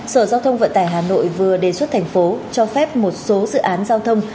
sở giao thông vận tải hà nội vừa đề xuất thành phố cho phép một số dự án giao thông